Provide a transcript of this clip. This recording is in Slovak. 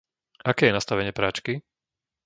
Aké je nastavenie práčky?